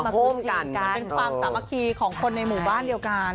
เป็นความสามารถฯของคนในหมู่บ้านเดียวกัน